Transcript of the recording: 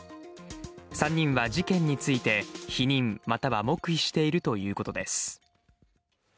３人は事件について否認、または黙秘しているということです。